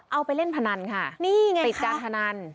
เอาไปเล่นพนันค่ะนี่ไงติดการพนัน